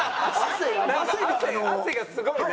汗汗がすごいね。